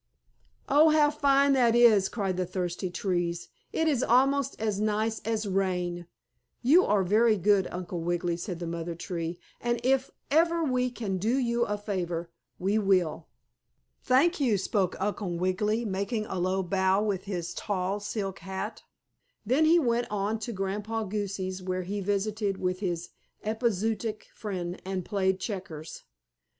"Oh! How fine that is!" cried the thirsty trees. "It is almost as nice as rain. You are very good, Uncle Wiggily," said the mother tree, "and if ever we can do you a favor we will." "Thank you," spoke Uncle Wiggily, making a low bow with his tall silk hat. Then he went on to Grandpa Goosey's where he visited with his epizootic friend and played checkers.